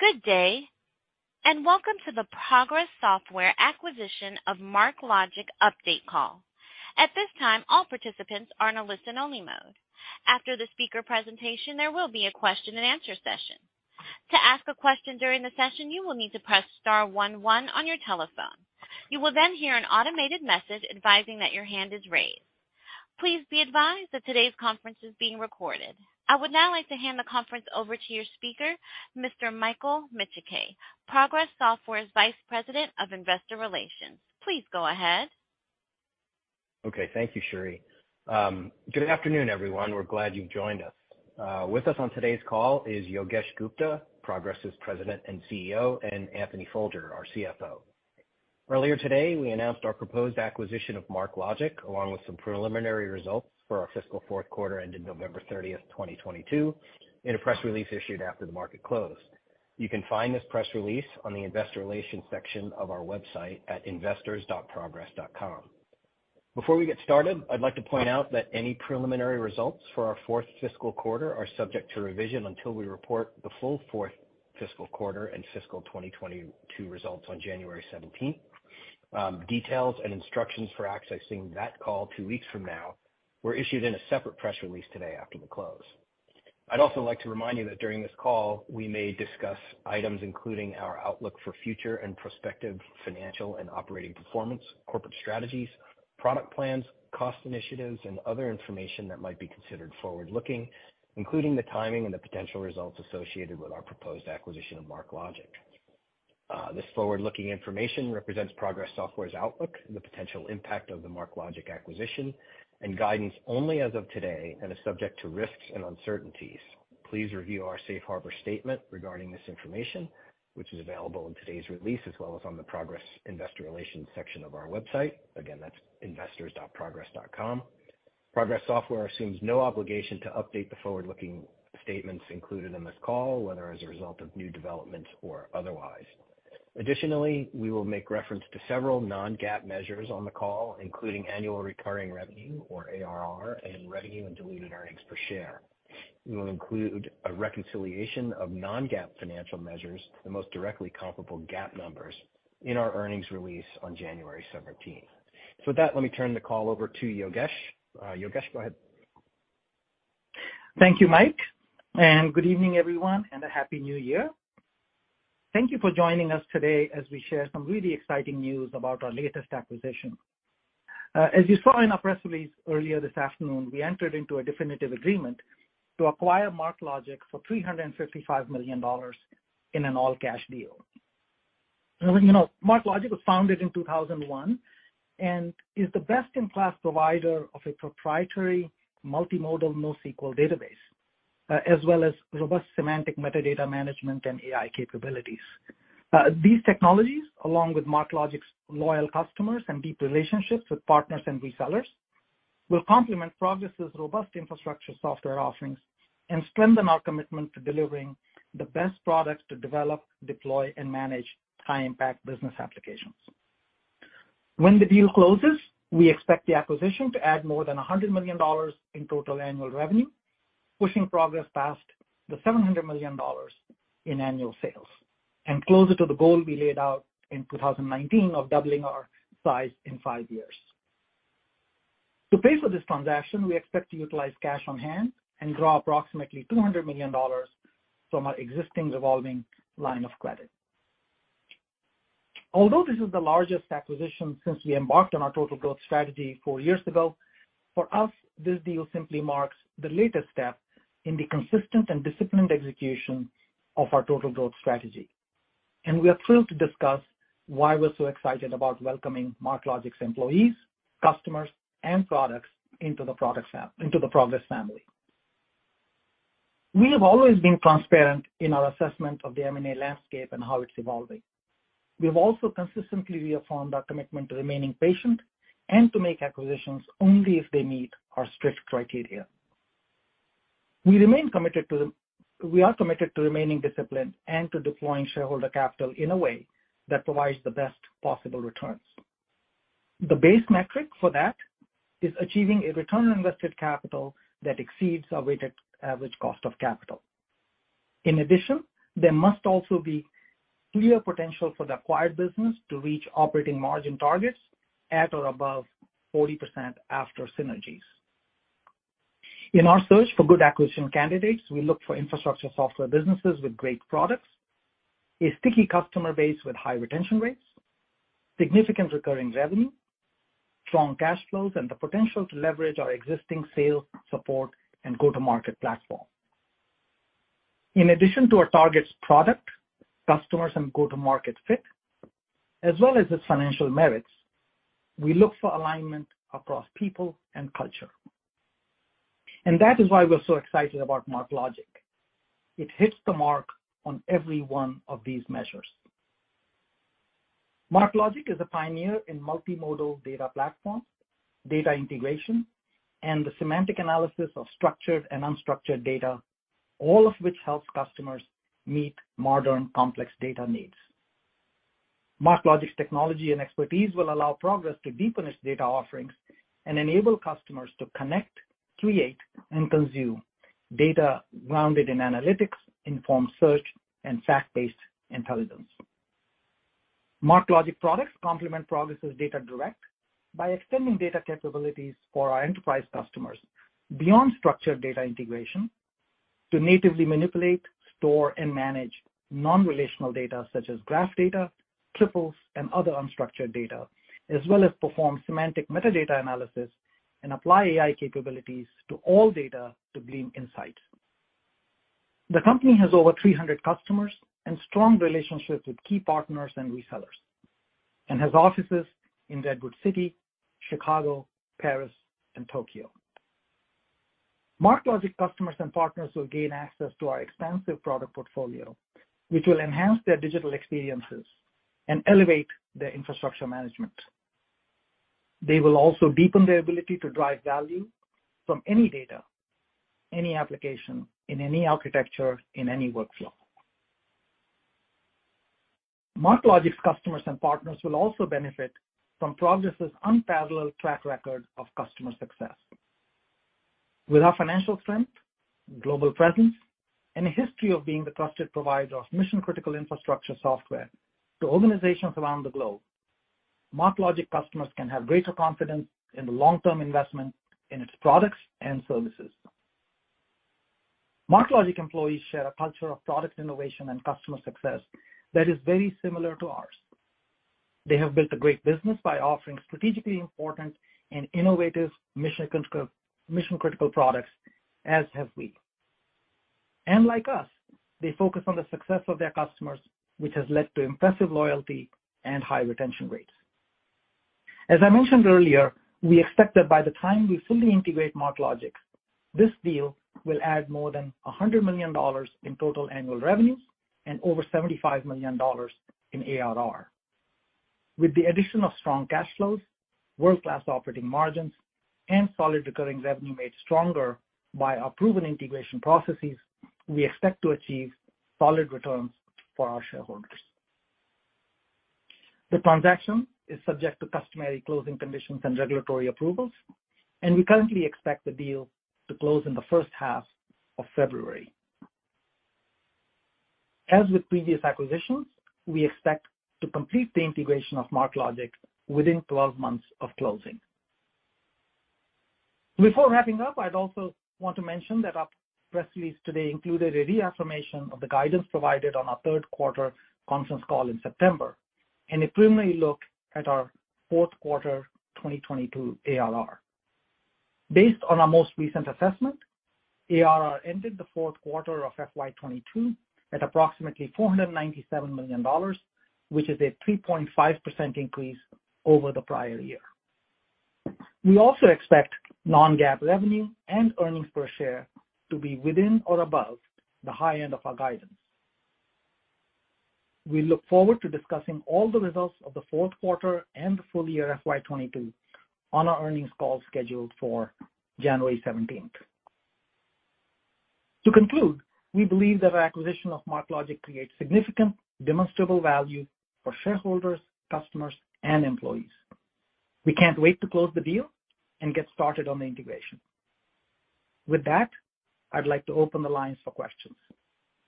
Good day, and Welcome to the Progress Software Acquisition of MarkLogic Update Call. At this time, all participants are in a listen-only mode. After the speaker presentation, there will be a question and answer session. To ask a question during the session, you will need to press star one one on your telephone. You will then hear an automated message advising that your hand is raised. Please be advised that today's conference is being recorded. I would now like to hand the conference over to your speaker, Mr. Michael Micciche, Progress Software's Vice President of Investor Relations. Please go ahead. Okay, thank you, Cherie. Good afternoon, everyone. We're glad you joined us. With us on today's call is Yogesh Gupta, Progress' President and CEO, and Anthony Folger, our CFO. Earlier today, we announced our proposed acquisition of MarkLogic, along with some preliminary results for our fiscal fourth quarter ending November 30th, 2022, in a press release issued after the market closed. You can find this press release on the investor relations section of our website at investors.progress.com. Before we get started, I'd like to point out that any preliminary results for our fourth fiscal quarter are subject to revision until we report the full fourth fiscal quarter and fiscal 2022 results on January 17th. Details and instructions for accessing that call two weeks from now were issued in a separate press release today after the close. I'd also like to remind you that during this call, we may discuss items including our outlook for future and prospective financial and operating performance, corporate strategies, product plans, cost initiatives, and other information that might be considered forward-looking, including the timing and the potential results associated with our proposed acquisition of MarkLogic. This forward-looking information represents Progress Software's outlook and the potential impact of the MarkLogic acquisition and guidance only as of today and is subject to risks and uncertainties. Please review our safe harbor statement regarding this information, which is available in today's release, as well as on the Progress Investor Relations section of our website. Again, that's investors.progress.com. Progress Software assumes no obligation to update the forward-looking statements included in this call, whether as a result of new developments or otherwise. Additionally, we will make reference to several non-GAAP measures on the call, including annual recurring revenue, or ARR, and revenue and diluted earnings per share. We will include a reconciliation of non-GAAP financial measures, the most directly comparable GAAP numbers in our earnings release on January 17th. With that, let me turn the call over to Yogesh. Yogesh, go ahead. Thank you, Mike. Good evening, everyone, and a Happy New Year. Thank you for joining us today as we share some really exciting news about our latest acquisition. As you saw in our press release earlier this afternoon, we entered into a Definitive Agreement to acquire MarkLogic for $355 million in an all-cash deal. You know, MarkLogic was founded in 2001 and is the best-in-class provider of a proprietary multimodal NoSQL database, as well as robust semantic metadata management and AI capabilities. These technologies, along with MarkLogic's loyal customers and deep relationships with partners and resellers, will complement Progress's robust infrastructure software offerings and strengthen our commitment to delivering the best products to develop, deploy, and manage high-impact business applications. When the deal closes, we expect the acquisition to add more than $100 million in total annual revenue, pushing Progress past the $700 million in annual sales and closer to the goal we laid out in 2019 of doubling our size in five years. To pay for this transaction, we expect to utilize cash on hand and draw approximately $200 million from our existing revolving line of credit. Although this is the largest acquisition since we embarked on our Total Growth Strategy four years ago, for us, this deal simply marks the latest step in the consistent and disciplined execution of our Total Growth Strategy. We are thrilled to discuss why we're so excited about welcoming MarkLogic's employees, customers, and products into the Progress family. We have always been transparent in our assessment of the M&A landscape and how it's evolving. We have also consistently reaffirmed our commitment to remaining patient and to make acquisitions only if they meet our strict criteria. We are committed to remaining disciplined and to deploying shareholder capital in a way that provides the best possible returns. The base metric for that is achieving a return on invested capital that exceeds our weighted average cost of capital. In addition, there must also be clear potential for the acquired business to reach operating margin targets at or above 40% after synergies. In our search for good acquisition candidates, we look for infrastructure software businesses with great products, a sticky customer base with high retention rates, significant recurring revenue, strong cash flows, and the potential to leverage our existing sales, support, and go-to-market platform. In addition to our target's product, customers, and go-to-market fit, as well as its financial merits, we look for alignment across people and culture. That is why we're so excited about MarkLogic. It hits the mark on every one of these measures. MarkLogic is a pioneer in multimodal data platforms, data integration, and the semantic analysis of structured and unstructured data, all of which helps customers meet modern complex data needs. MarkLogic's technology and expertise will allow Progress to deepen its data offerings and enable customers to connect, create, and consume data grounded in analytics, informed search, and fact-based intelligence. MarkLogic products complement Progress' DataDirect by extending data capabilities for our enterprise customers. Beyond structured data integration to natively manipulate, store, and manage non-relational data such as graph data, triples, and other unstructured data, as well as perform semantic metadata analysis and apply AI capabilities to all data to glean insights. The company has over 300 customers and strong relationships with key partners and resellers, and has offices in Redwood City, Chicago, Paris, and Tokyo. MarkLogic customers and partners will gain access to our expansive product portfolio, which will enhance their digital experiences and elevate their infrastructure management. They will also deepen their ability to drive value from any data, any application, in any architecture, in any workflow. MarkLogic's customers and partners will also benefit from Progress' unparalleled track record of customer success. With our financial strength, global presence, and a history of being the trusted provider of Mission-Critical infrastructure software to organizations around the globe, MarkLogic customers can have greater confidence in the long-term investment in its products and services. MarkLogic employees share a culture of product innovation and customer success that is very similar to ours. They have built a great business by offering strategically important and innovative Mission-Critical products, as have we. Like us, they focus on the success of their customers, which has led to impressive loyalty and high retention rates. As I mentioned earlier, we expect that by the time we fully integrate MarkLogic, this deal will add more than $100 million in total annual revenues and over $75 million in ARR. With the addition of strong cash flows, world-class operating margins, and solid recurring revenue made stronger by our proven integration processes, we expect to achieve solid returns for our shareholders. The transaction is subject to Customary Closing Conditions and regulatory approvals, and we currently expect the deal to close in the first half of February. As with previous acquisitions, we expect to complete the integration of MarkLogic within 12 months of closing. Before wrapping up, I'd also want to mention that our press release today included a reaffirmation of the guidance provided on our third quarter conference call in September, and a preliminary look at our fourth quarter 2022 ARR. Based on our most recent assessment, ARR ended the fourth quarter of FY2022 at approximately $497 million, which is a 3.5% increase over the prior year. We also expect non-GAAP revenue and earnings per share to be within or above the high end of our guidance. We look forward to discussing all the results of the fourth quarter and full year FY2022 on our earnings call scheduled for January 17th. To conclude, we believe that our acquisition of MarkLogic creates significant demonstrable value for shareholders, customers, and employees. We can't wait to close the deal and get started on the integration. With that, I'd like to open the lines for questions.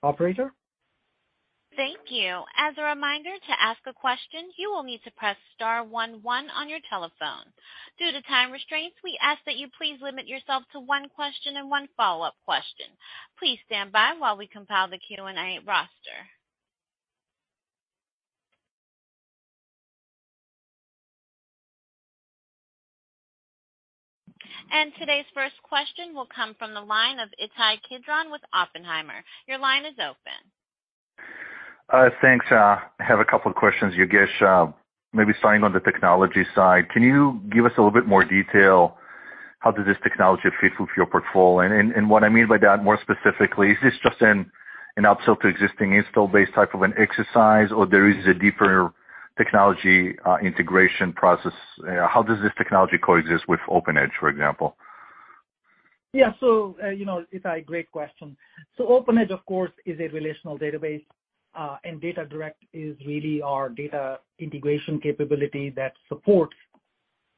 Operator? Thank you. As a reminder, to ask a question, you will need to press star one one on your telephone. Due to time restraints, we ask that you please limit yourself to one question and one follow-up question. Please stand by while we compile the Q&A roster. Today's first question will come from the line of Ittai Kidron with Oppenheimer. Your line is open. Thanks. I have two questions, Yogesh. Maybe starting on the technology side, can you give us a little bit more detail how does this technology fit with your portfolio? What I mean by that, more specifically, is this just an upsell to existing install-based type of an exercise, or there is a deeper technology integration process? How does this technology coexist with OpenEdge, for example? Yeah. You know, Ittai, great question. So OpenEdge, of course, is a relational database, and DataDirect is really our data integration capability that supports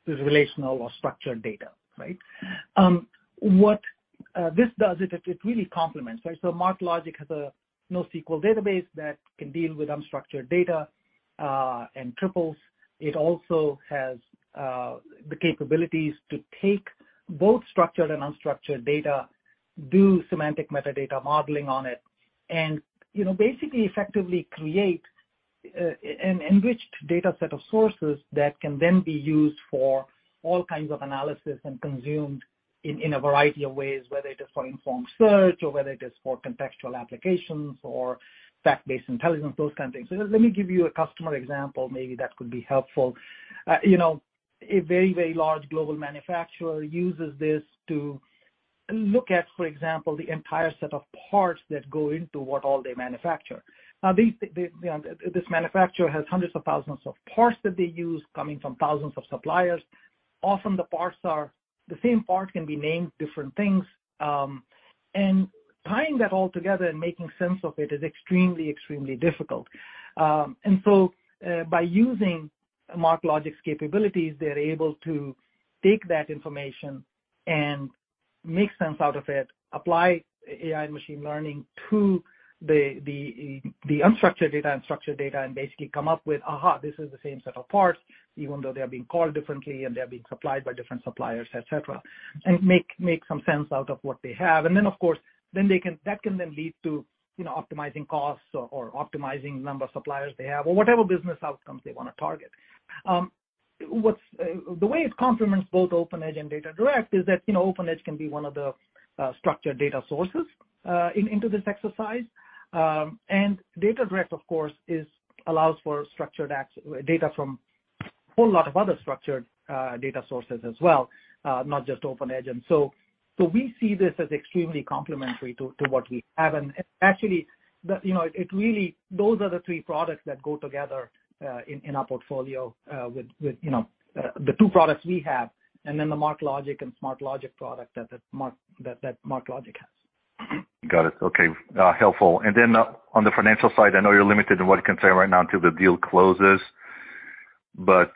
this relational or structured data, right? What this does, it really complements, right? MarkLogic has a NoSQL database that can deal with unstructured data, and triples. It also has the capabilities to take both structured and unstructured data, do semantic metadata modeling on it, and, you know, basically effectively create an enriched data set of sources that can then be used for all kinds of analysis and consumed in a variety of ways, whether it is for informed search or whether it is for contextual applications or fact-based intelligence, those kind of things. Let me give you a customer example, maybe that could be helpful. You know, a very, very large global manufacturer uses this to look at, for example, the entire set of parts that go into what all they manufacture. This manufacturer has hundreds of thousands of parts that they use coming from thousands of suppliers. Often the same part can be named different things. Tying that all together and making sense of it is extremely difficult. By using MarkLogic's capabilities, they're able to take that information and make sense out of it, apply AI and machine learning to the unstructured data and structured data, and basically come up with, this is the same set of parts, even though they are being called differently and they're being supplied by different suppliers, et cetera, and make some sense out of what they have. Of course, then that can then lead to, you know, optimizing costs or optimizing number of suppliers they have or whatever business outcomes they wanna target. The way it complements both OpenEdge and DataDirect is that, you know, OpenEdge can be one of the structured data sources into this exercise. DataDirect, of course, allows for structured data from whole lot of other structured data sources as well, not just OpenEdge. So we see this as extremely complementary to what we have. Actually, the, you know, Those are the three products that go together in our portfolio with, you know, the two products we have and then the MarkLogic and Smart Mastering product that MarkLogic has. Got it. Okay. helpful. Then, on the financial side, I know you're limited in what you can say right now until the deal closes, but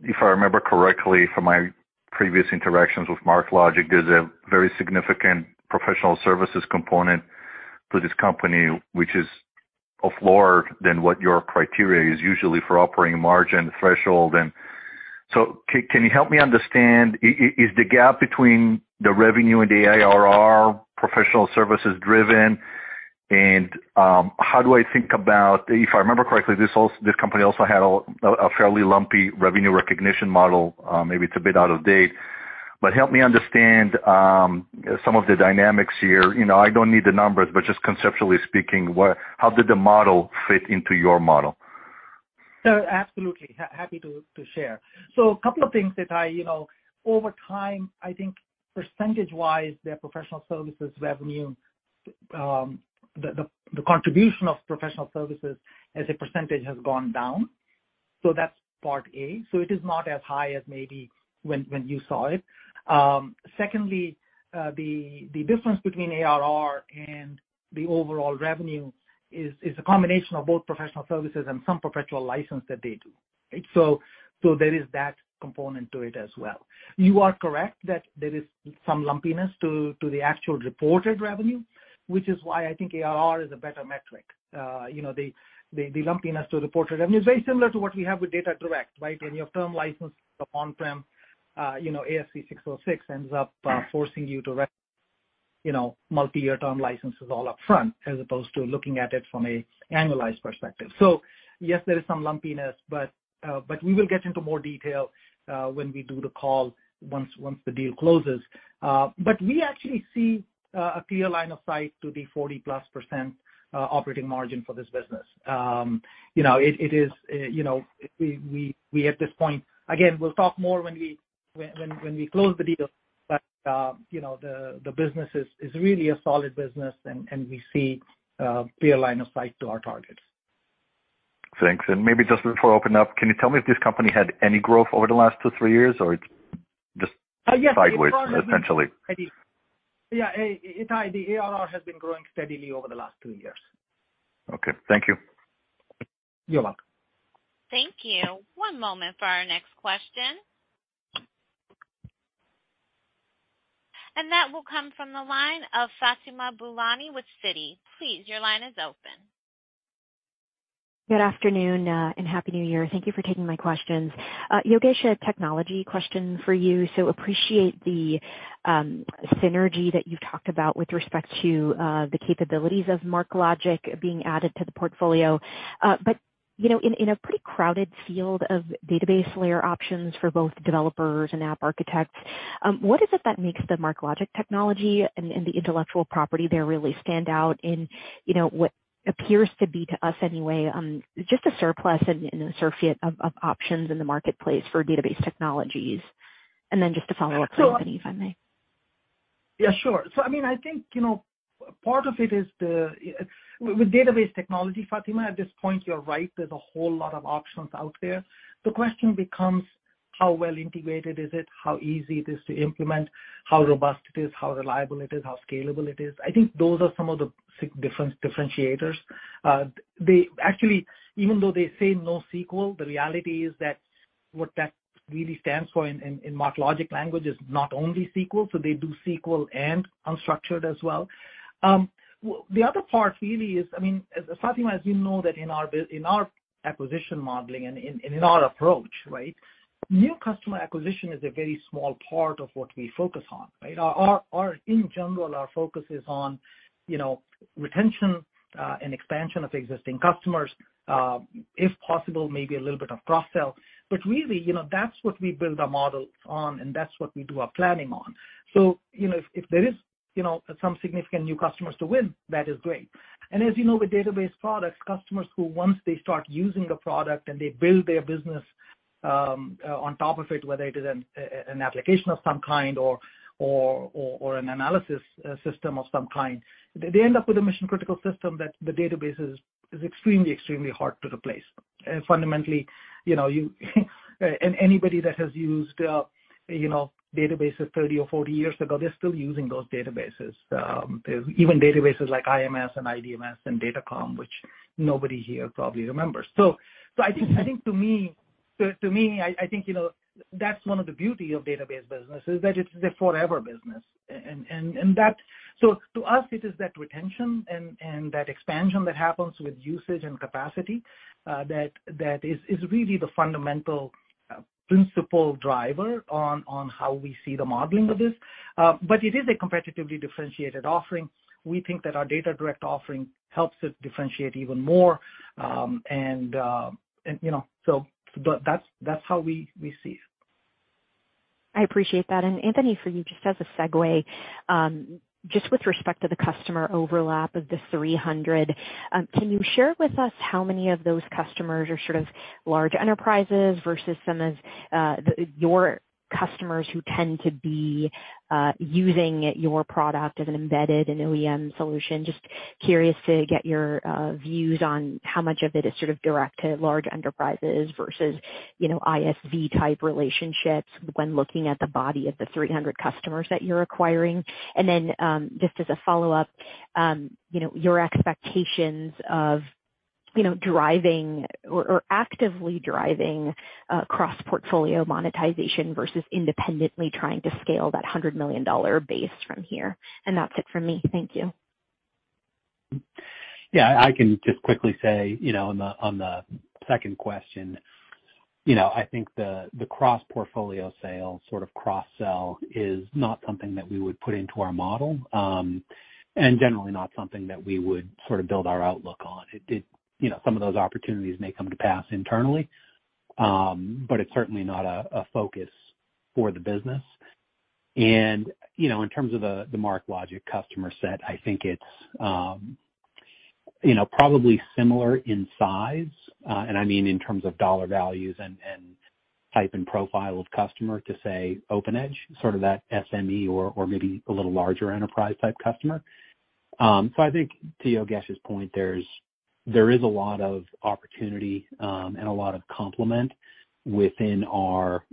if I remember correctly from my previous interactions with MarkLogic, there's a very significant professional services component to this company, which is of lower than what your criteria is usually for operating margin threshold. Can you help me understand, is the gap between the revenue and the ARR professional services driven? How do I think about... If I remember correctly, this company also had a fairly lumpy revenue recognition model. Maybe it's a bit out of date. Help me understand, some of the dynamics here. You know, I don't need the numbers, but just conceptually speaking, how did the model fit into your model? Absolutely. Happy to share. A couple of things that I, you know, over time, I think percentage-wise, their professional services revenue, the contribution of professional services as a percentage has gone down. That's part A. It is not as high as maybe when you saw it. Secondly, the difference between ARR and the overall revenue is a combination of both professional services and some perpetual license that they do. There is that component to it as well. You are correct that there is some lumpiness to the actual reported revenue, which is why I think ARR is a better metric. you know, the lumpiness to the reported revenue is very similar to what we have with DataDirect, right? When your term license, the on-prem, you know, ASC 606 ends up forcing you to Rec, you know, multiyear term licenses all up front as opposed to looking at it from a annualized perspective. Yes, there is some lumpiness, we will get into more detail when we do the call once the deal closes. We actually see a clear line of sight to the 40+% operating margin for this business. You know, it is, you know, we at this point... Again, we'll talk more when we close the deal. You know, the business is really a solid business, and we see a clear line of sight to our targets. Thanks. Maybe just before we open up, can you tell me if this company had any growth over the last two, three years or it's just? Yes. -sideways essentially? Yeah. It had. The ARR has been growing steadily over the last two years. Okay. Thank you. You're welcome. Thank you. One moment for our next question. That will come from the line of Fatima Boolani with Citi. Please, your line is open. Good afternoon, and happy New Year. Thank you for taking my questions. Yogesh, a technology question for you. Appreciate the synergy that you've talked about with respect to the capabilities of MarkLogic being added to the portfolio. You know, in a pretty crowded field of database layer options for both developers and app architects, what is it that makes the MarkLogic technology and the intellectual property there really stand out in, you know, what appears to be, to us anyway, just a surplus and a surfeit of options in the marketplace for database technologies? Just a follow-up on. So- company, if I may. Sure. I mean, I think, you know, part of it is the... With database technology, Fatima, at this point, you're right, there's a whole lot of options out there. The question becomes how well integrated is it, how easy it is to implement, how robust it is, how reliable it is, how scalable it is. I think those are some of the differentiators. They... Actually, even though they say NoSQL, the reality is that what that really stands for in MarkLogic language is not only SQL, so they do SQL and unstructured as well. The other part really is, I mean, Fatima, as you know that in our acquisition modeling and in our approach, right, new customer acquisition is a very small part of what we focus on, right? Our in general, our focus is on, you know, retention, and expansion of existing customers, if possible, maybe a little bit of cross-sell. Really, you know, that's what we build our models on, and that's what we do our planning on. You know, if there is, you know, some significant new customers to win, that is great. As you know, with database products, customers who once they start using the product and they build their business on top of it, whether it is an application of some kind or an analysis system of some kind, they end up with a Mission-Critical system that the database is extremely hard to replace. Fundamentally, you know, you and anybody that has used, you know, databases 30 or 40 years ago, they're still using those databases. Even databases like IMS and IDMS and Datacom, which nobody here probably remembers. To me, I think, you know, that's one of the beauty of database business is that it's a forever business. That to us, it is that retention and that expansion that happens with usage and capacity, that is really the fundamental principle driver on how we see the modeling of this. It is a competitively differentiated offering. We think that our DataDirect offering helps it differentiate even more. You know, that's how we see it. I appreciate that. Anthony, for you, just as a segue, just with respect to the customer overlap of the 300, can you share with us how many of those customers are sort of large enterprises versus some of your customers who tend to be using your product as an embedded and OEM solution? Just curious to get your views on how much of it is sort of direct to large enterprises versus, you know, ISV type relationships when looking at the body of the 300 customers that you're acquiring. Then, just as a follow-up, you know, your expectations of, you know, driving or actively driving cross-portfolio monetization versus independently trying to scale that $100 million base from here. That's it for me. Thank you. Yeah. I can just quickly say, you know, on the, on the second question, you know, I think the cross-portfolio sale sort of cross-sell is not something that we would put into our model, and generally not something that we would sort of build our outlook on. You know, some of those opportunities may come to pass internally, but it's certainly not a focus for the business. You know, in terms of the MarkLogic customer set, I think it's, you know, probably similar in size, and I mean in terms of dollar values and type and profile of customer to, say, OpenEdge, sort of that SME or maybe a little larger enterprise type customer. I think to Yogesh's point, there is a lot of opportunity, and a lot of complement within our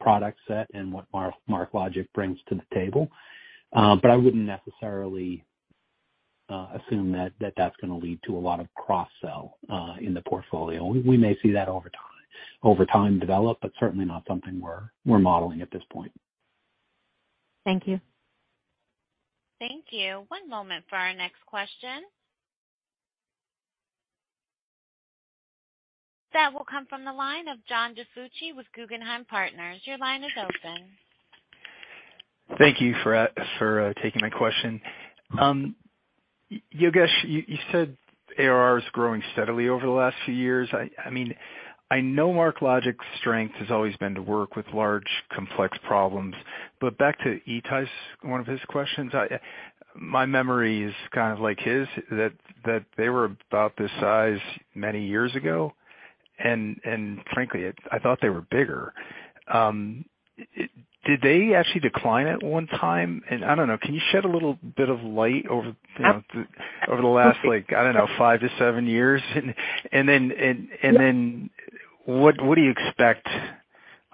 product set and what MarkLogic brings to the table. I wouldn't necessarily assume that that's gonna lead to a lot of cross-sell in the portfolio. We may see that over time develop, but certainly not something we're modeling at this point. Thank you. Thank you. One moment for our next question. That will come from the line of John DiFucci with Guggenheim Partners. Your line is open. Thank you for taking my question. Yogesh, you said ARR is growing steadily over the last few years. I mean, I know MarkLogic's strength has always been to work with large, complex problems, but back to Ittai's, one of his questions. My memory is kind of like his, that they were about this size many years ago, and frankly, I thought they were bigger. Did they actually decline at one time? I don't know, can you shed a little bit of light over, you know, over the last, like, I don't know, five to seven years? What do you expect?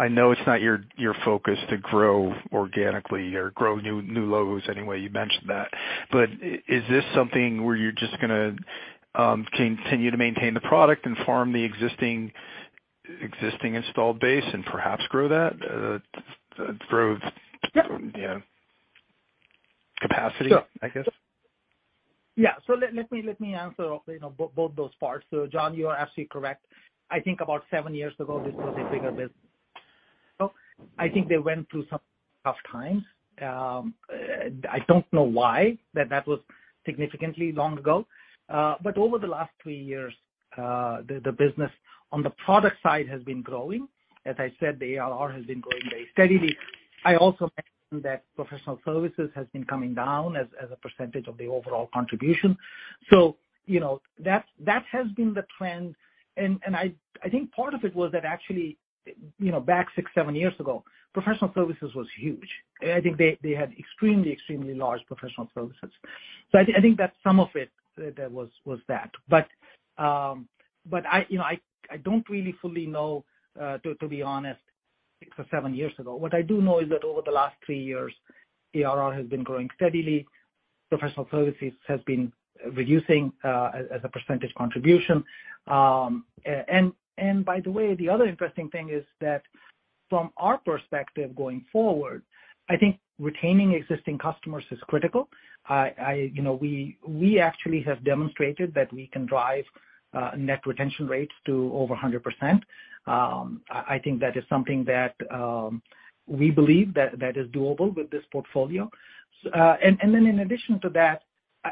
I know it's not your focus to grow organically or grow new logos anyway, you mentioned that, but is this something where you're just gonna continue to maintain the product and farm the existing installed base and perhaps grow that? Yeah. You know, capacity, I guess. Yeah. Let me answer, you know, both those parts. John, you are absolutely correct. I think about seven years ago, this was a bigger business. I think they went through some tough times. I don't know why, but that was significantly long ago. Over the last three years, the business on the product side has been growing. As I said, the ARR has been growing very steadily. I also mentioned that professional services has been coming down as a percentage of the overall contribution. You know, that has been the trend. I think part of it was that actually, you know, back six, seven years ago, professional services was huge. I think they had extremely large professional services. I think that some of it that was that. I, you know, I don't really fully know, to be honest, six or seven years ago. What I do know is that over the last three years, ARR has been growing steadily. Professional services has been reducing, as a percentage contribution. By the way, the other interesting thing is that from our perspective going forward, I think retaining existing customers is critical. You know, we actually have demonstrated that we can drive net retention rates to over 100%. I think that is something that we believe that is doable with this portfolio. Then in addition to that,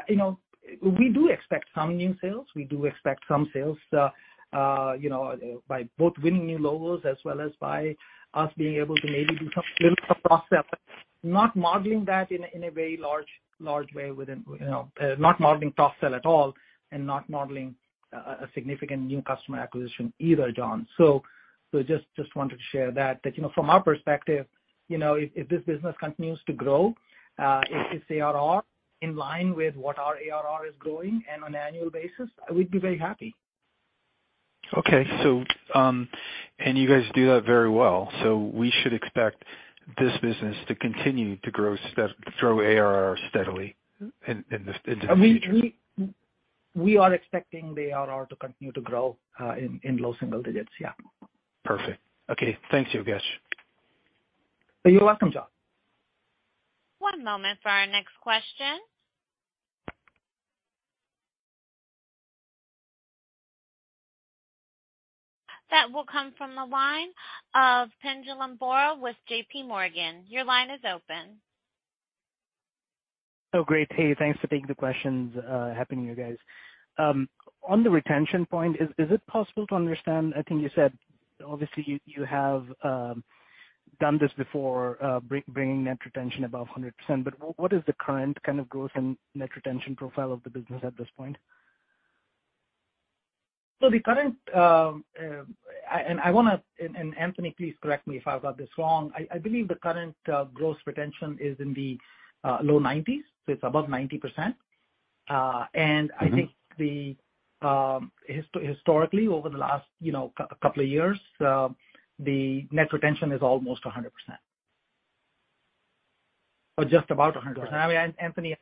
you know, we do expect some new sales. We do expect some sales, you know, by both winning new logos as well as by us being able to maybe do some little cross-sell. Not modeling that in a very large way within, you know, not modeling cross-sell at all and not modeling a significant new customer acquisition either, John. Just wanted to share that. That, you know, from our perspective, you know, if this business continues to grow, if it's ARR in line with what our ARR is growing and on an annual basis, we'd be very happy. Okay. You guys do that very well. We should expect this business to continue to grow ARR steadily in this industry? We are expecting the ARR to continue to grow, in low single digits. Yeah. Perfect. Okay. Thanks, Yogesh. You're welcome, John. One moment for our next question. That will come from the line of Pinjalim Bora with JPMorgan. Your line is open. Oh, great. Hey, thanks for taking the questions, happy new year, guys. On the retention point, is it possible to understand? I think you said obviously you have done this before, bringing net retention above 100%, but what is the current kind of growth and net retention profile of the business at this point? The current, Anthony, please correct me if I've got this wrong. I believe the current growth retention is in the low nineties. It's above 90%. Mm-hmm. I think the historically over the last, you know, couple of years, the net retention is almost 100%. Or just about 100%. I mean, Anthony,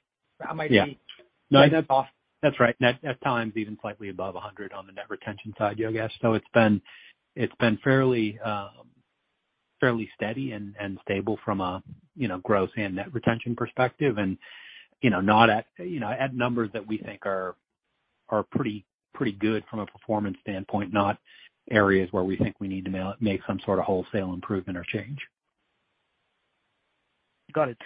I might be- Yeah. No, that's right. Net, at times, even slightly above 100 on the net retention side, Yogesh. It's been fairly steady and stable from a, you know, growth and net retention perspective. You know, not at, you know, at numbers that we think are pretty good from a performance standpoint. Not areas where we think we need to make some sort of wholesale improvement or change. Got it.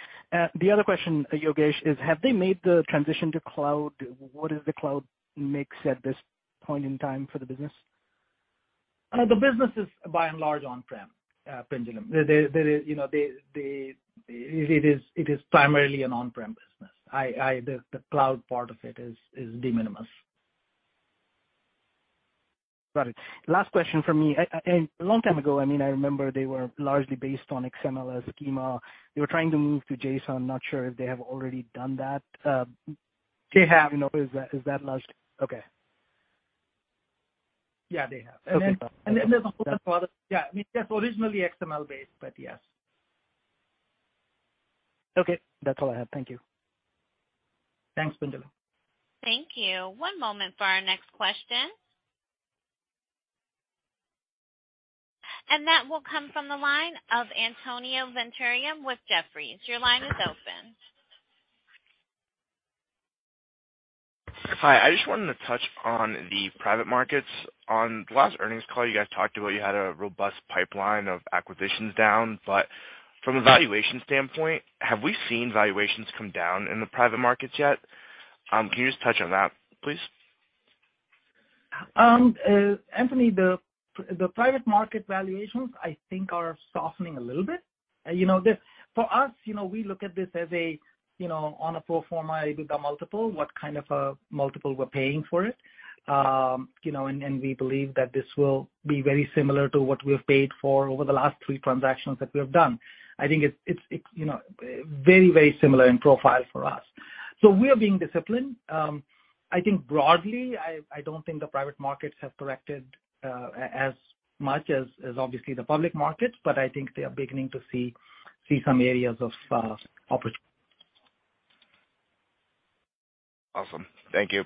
The other question, Yogesh, is have they made the transition to cloud? What is the cloud mix at this point in time for the business? The business is by and large on-prem, Pinjalim. There is, you know, it is primarily an on-prem business. The cloud part of it is de minimis. Got it. Last question for me. A long time ago, I mean, I remember they were largely based on XML schema. They were trying to move to JSON, not sure if they have already done that. They have. You know, is that largely okay? Yeah, they have. Okay, perfect. There's a whole lot of other... Yeah, I mean, they're originally XML based, but yes. Okay. That's all I have. Thank you. Thanks, Pinjalim. Thank you. One moment for our next question. That will come from the line of Antonio Venturim with Jefferies. Your line is open. Hi. I just wanted to touch on the private markets. On the last earnings call, you guys talked about you had a robust pipeline of acquisitions down, but from a valuation standpoint, have we seen valuations come down in the private markets yet? Can you just touch on that, please? Anthony, the private market valuations I think are softening a little bit. You know, for us, you know, we look at this as a, you know, on a pro forma EBITDA multiple, what kind of a multiple we're paying for it. You know, we believe that this will be very similar to what we have paid for over the last three transactions that we have done. I think it's, you know, very, very similar in profile for us. We are being disciplined. I think broadly, I don't think the private markets have corrected as much as obviously the public markets, but I think they are beginning to see some areas of opportunity. Awesome. Thank you.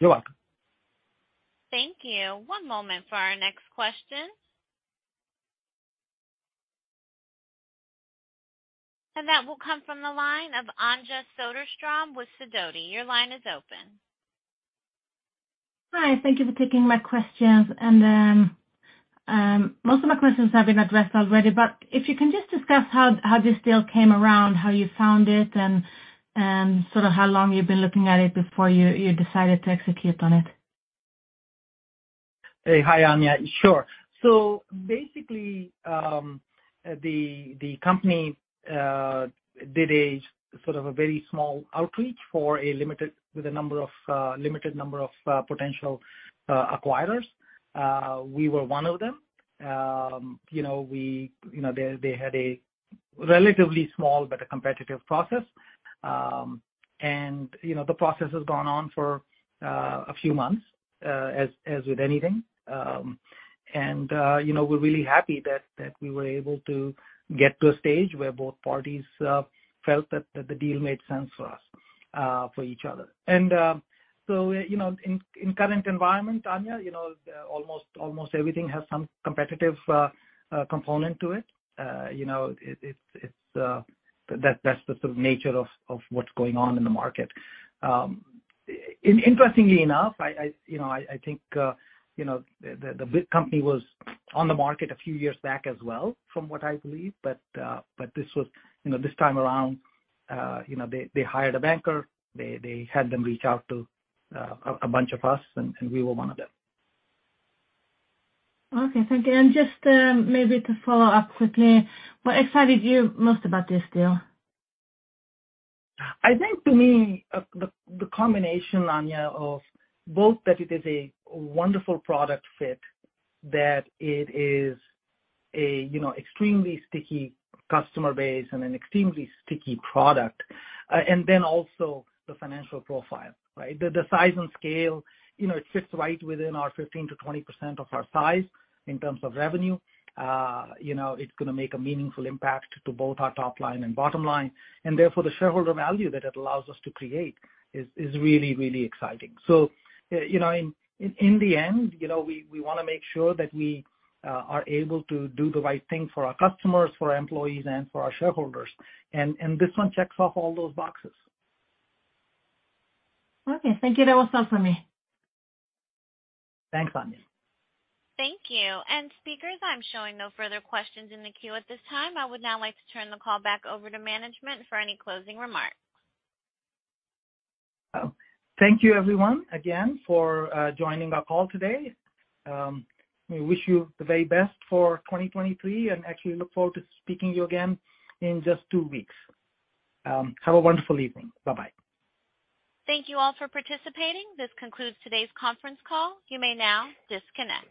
You're welcome. Thank you. One moment for our next question. That will come from the line of Anja Soderstrom with Sidoti. Your line is open. Hi. Thank you for taking my questions. Most of my questions have been addressed already, but if you can just discuss how this deal came around, how you found it and sort of how long you've been looking at it before you decided to execute on it. Hey. Hi, Anja. Sure. Basically, the company did a sort of a very small outreach with a number of, limited number of, potential, acquirers. We were one of them. You know, they had a relatively small but a competitive process. You know, the process has gone on for a few months, as with anything. You know, we're really happy that we were able to get to a stage where both parties felt that the deal made sense for us, for each other. You know, in current environment, Anja, you know, almost everything has some competitive component to it. You know, it's. That's the sort of nature of what's going on in the market. Interestingly enough, I, you know, I think, you know, the big company was on the market a few years back as well, from what I believe. This was, you know, this time around, you know, they hired a banker, they had them reach out to a bunch of us, and we were one of them. Okay, thank you. Just, maybe to follow up quickly, what excited you most about this deal? I think to me, the combination, Anja, of both that it is a wonderful product fit, that it is a, you know, extremely sticky customer base and an extremely sticky product. The financial profile, right? The, the size and scale, you know, it fits right within our 15%-20% of our size in terms of revenue. You know, it's gonna make a meaningful impact to both our top line and bottom line, and therefore the shareholder value that it allows us to create is really, really exciting. In the end, you know, we wanna make sure that we are able to do the right thing for our customers, for our employees and for our shareholders. This one checks off all those boxes. Okay. Thank you. That was all for me. Thanks, Anja. Thank you. Speakers, I'm showing no further questions in the queue at this time. I would now like to turn the call back over to management for any closing remarks. Thank you everyone, again, for joining our call today. We wish you the very best for 2023 and actually look forward to speaking to you again in just two weeks. Have a wonderful evening. Bye-bye. Thank you all for participating. This concludes today's conference call. You may now disconnect.